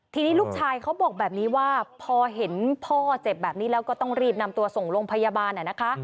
ทีนี้ลูกชายเขาบอกแบบนี้ว่าพอเห็นพ่อเจ็บแบบนี้แล้วก็ต้องรีบนำตัวส่งโรงพยาบาลนะคะ